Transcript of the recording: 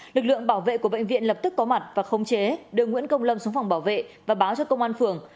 lực lượng bảo vệ của bệnh viện lập tức có mặt và khống chế đưa nguyễn công lâm xuống phòng bảo vệ và báo cho công an phường